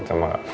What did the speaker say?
bukan baru lagi